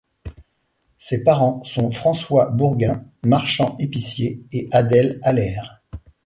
Ses parents sont François Bourgain, marchand épicier et Adelle Alaire.